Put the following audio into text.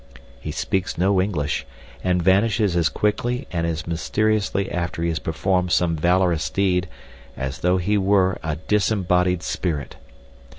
He speaks no English and vanishes as quickly and as mysteriously after he has performed some valorous deed, as though he were a disembodied spirit.